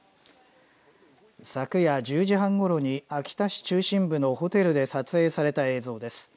昨夜１０時半ごろに秋田市中心部のホテルで撮影された映像です。